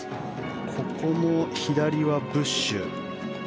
ここも左はブッシュ。